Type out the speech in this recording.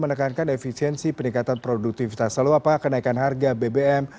menekankan efisiensi peningkatan produktivitas selalu apakah kenaikan harga bbm